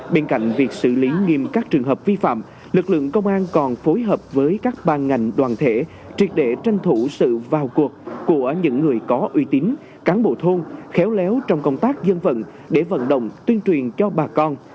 bên cạnh việc xử lý nghiêm các trường hợp vi phạm lực lượng công an còn phối hợp với các ban ngành đoàn thể triệt để tranh thủ sự vào cuộc của những người có uy tín cán bộ thôn khéo léo trong công tác dân vận để vận động tuyên truyền cho bà con